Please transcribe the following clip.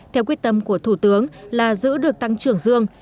theo quyết tâm của thủ tướng là giữ được tăng trưởng dương